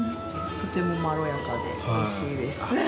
とてもまろやかで、おいしいです。